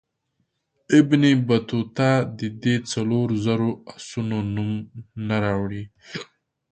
ابن بطوطه د دې څلورو زرو آسونو نوم نه راوړي.